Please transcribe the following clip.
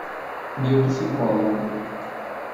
Meu psicólogo